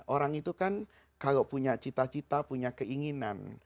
orang itu kan kalau punya cita cita punya keinginan